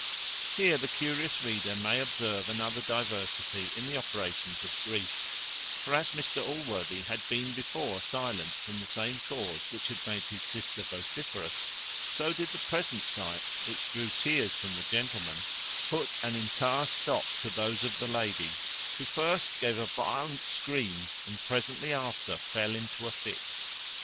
Here the curious reader may observe another diversity in the operations of grief: for as Mr Allworthy had been before silent, from the same cause which had made his sister vociferous; so did the present sight, which drew tears from the gentleman, put an entire stop to those of the lady; who first gave a violent scream, and presently after fell into a fit.